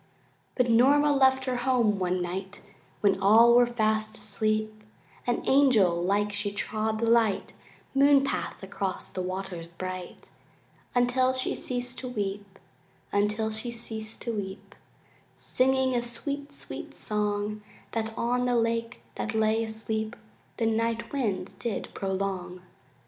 But Norma left her home one night When all were fast asleep And angel like she trod the light Moonpath across the waters bright Until she ceased to weep, Until she ceased to weep, Singing a sweet, sweet song That on the lake that lay asleep The night wind did prolong.